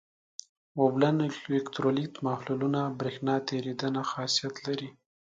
اوبلن الکترولیت محلولونه برېښنا تیریدنه خاصیت لري.